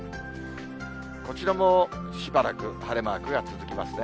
こちらもしばらく晴れマークが続きますね。